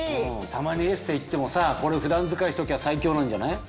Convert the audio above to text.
たまにエステ行ってもさこれ普段使いしときゃ最強なんじゃない？